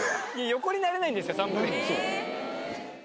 横になれないんですよ寒くて。